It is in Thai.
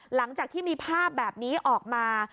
หลังจากที่มีภาพแบบนี้ออกมา